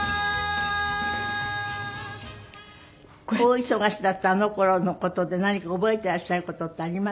大忙しだったあの頃の事で何か覚えていらっしゃる事ってあります？